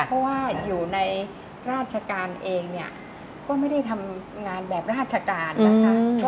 เพราะว่าอยู่ในราชการเองเนี่ยก็ไม่ได้ทำงานแบบราชการนะคะ